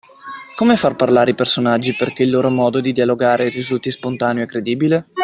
Come far parlare i personaggi perché il loro modo di dialogare risulti spontaneo e credibile?